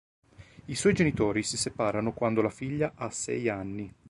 I suoi genitori si separano quando la figlia ha sei anni.